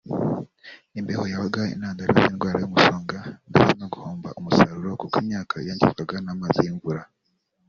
imbeho yabaga intandaro z’indwara y’umusonga ndetse no guhomba umusaruro kuko imyaka yangizwaga n’amazi y’imvura